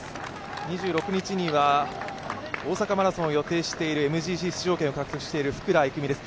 ２６日には、大阪マラソンを予定しているＭＧＣ出場権を獲得している福良郁美です。